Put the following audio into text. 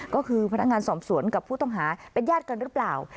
ก็คือพนักงานสอบสวนกับผู้ต้องหาเป็นญาติกันหรือเปล่า